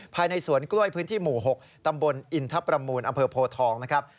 ภายในสวนกล้วยพื้นที่หมู่๖ตำบลอินทรประมูลอำเภอโพทองนะครับ